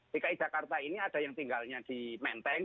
di ki jakarta ini ada yang tinggalnya di menteng